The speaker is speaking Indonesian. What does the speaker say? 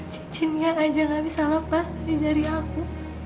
cincinnya aja nggak bisa lepas dari jari aku